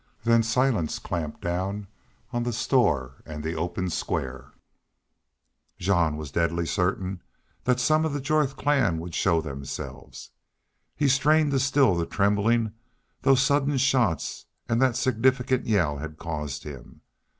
Then silence clapped down on the store and the open square. Jean was deadly certain that some of the Jorth clan would show themselves. He strained to still the trembling those sudden shots and that significant yell had caused him.